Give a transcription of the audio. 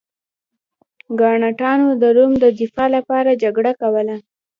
ګاټانو د روم د دفاع لپاره جګړه کوله.